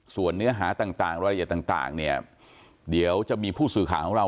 ส่วนเนื้อหาต่างรายละเอียดต่างเนี่ยเดี๋ยวจะมีผู้สื่อข่าวของเรา